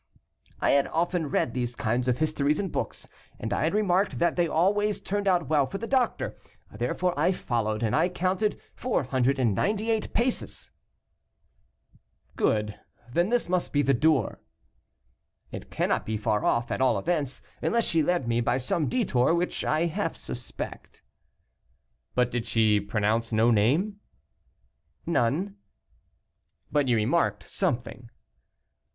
"I had often read these kinds of histories in books, and I had remarked that they always turned out well for the doctor. Therefore I followed, and I counted 498 paces." "Good; then this must be the door." "It cannot be far off, at all events, unless she led me by some detour, which I half suspect." "But did she pronounce no name?" "None." "But you remarked something?"